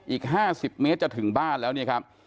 อีก๕๐เมตรจะถึงบ้านแล้วเนี่ยครับ